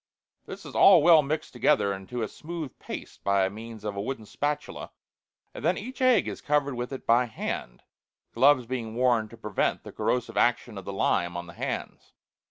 This is all well mixed together into a smooth paste by means of a wooden spatula, and then each egg is covered with it by hand, gloves being worn to prevent the corrosive action of the lime on the hands.